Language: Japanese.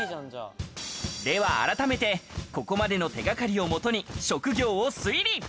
では改めて、ここまでの手掛かりをもとに職業を推理。